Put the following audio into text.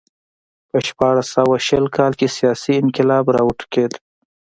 په شپاړس سوه شل کال کې سیاسي انقلاب راوټوکېد